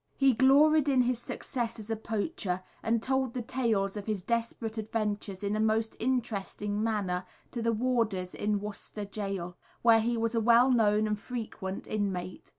He gloried in his success as a poacher, and told the tales of his desperate adventures in a most interesting manner to the warders in Worcester Gaol, where he was a well known and frequent inmate.